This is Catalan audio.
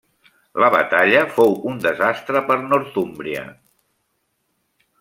La batalla fou un desastre per Northúmbria.